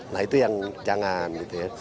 nah itu yang jangan gitu ya